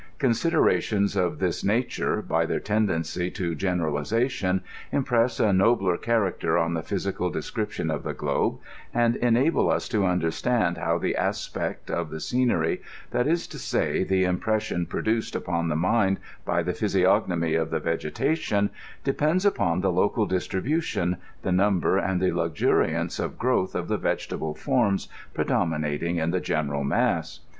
Considerations of this nature, by their tendency to generalization, impress a nobler character on the physical de scription of the globe, and enable us to understand how the aspect of the scenery, that is to say, the impression produced upon the mind by the physiognomy of the vegetation, depends upon the local distribution, the number, and the luxuriance of growth of the vegetable forms predominating in the general mass.